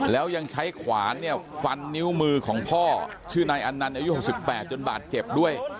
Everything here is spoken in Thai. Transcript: แล้วยังใช้ขวานเนี่ยฟันนิ้วมือของพ่อชื่อนายอันนันต์อายุ๖๘จนบาดเจ็บด้วย